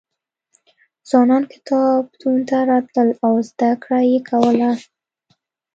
ځوانان کتابتون ته راتلل او زده کړه یې کوله.